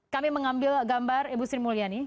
kami mengambil gambar ibu sri mulyani